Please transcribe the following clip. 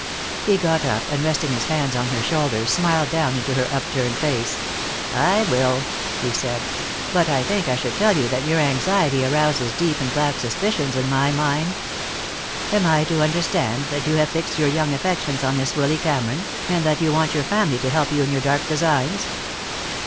He got up, and resting his hands on her shoulders, smiled down into her upturned face. "I will," he said. "But I think I should tell you that your anxiety arouses deep and black suspicions in my mind. Am I to understand that you have fixed your young affections on this Willy Cameron, and that you want your family to help you in your dark designs?"